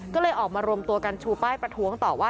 ก็เลยออกมารวมตัวกันชูป้ายประท้วงต่อว่า